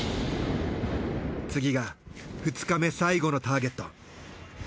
次が２日目の最後のターゲット。